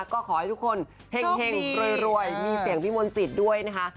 ก็ขอให้ทุกคนเห็งรวยมีเสียงพี่มนต์สิทธิ์ด้วยนะคะ